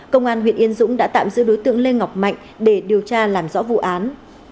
công an huyện yên dũng đã tạm giữ đối tượng lê ngọc mạnh để điều tra làm rõ vụ án